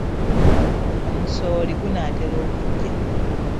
Omusooli gunaatera okuggya.